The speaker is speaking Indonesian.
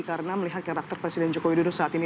karena melihat karakter presiden joko widodo saat ini